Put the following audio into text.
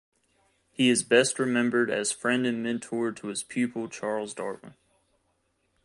He is best remembered as friend and mentor to his pupil Charles Darwin.